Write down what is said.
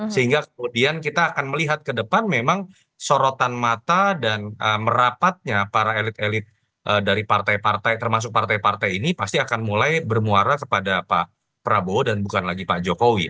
sehingga kemudian kita akan melihat ke depan memang sorotan mata dan merapatnya para elit elit dari partai partai termasuk partai partai ini pasti akan mulai bermuara kepada pak prabowo dan bukan lagi pak jokowi